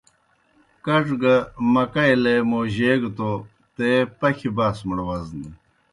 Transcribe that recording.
کڇ گہ مکئی لے موجیگہ توْ تے پکھیْ باسمَڑ وزنَن۔